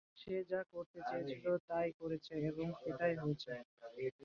সে যা করতে চেয়েছিল তাই করেছে এবং সেটাই হয়েছে।